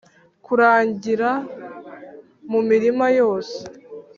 kuragira mu mirima yose